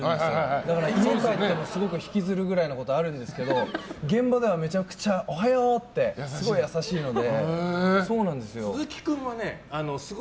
だから家に帰ったらすごく引きずるぐらいなことがあるんですけど現場ではめちゃくちゃおはよう！ってすごい優しいので。